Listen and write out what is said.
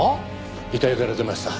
遺体から出ました。